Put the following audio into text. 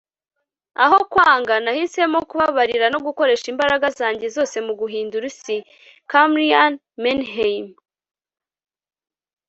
aho kwanga, nahisemo kubabarira no gukoresha imbaraga zanjye zose mu guhindura isi. - camryn manheim